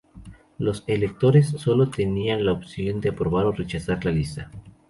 Los electores sólo tenían la opción de aprobar o rechazar la lista.